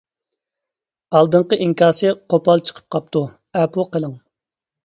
ئالدىنقى ئىنكاسى قوپال چىقىپ قاپتۇ، ئەپۇ قىلىڭ.